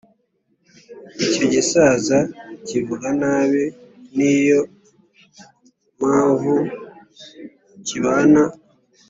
Icyo gisaza kivuga nabi niyo mavu kibana